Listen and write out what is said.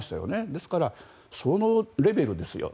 ですから、そのレベルですよ。